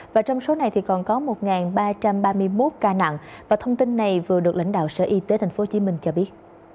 và trong số này còn có một ba trăm ba mươi một ca nặng và thông tin này vừa được lãnh đạo sở y tế tp hcm cho biết